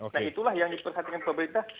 nah itulah yang diperhatikan pemerintah